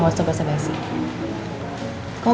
mau berantem berantem lagi kayak kemarin